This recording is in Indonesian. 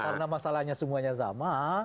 karena masalahnya semuanya sama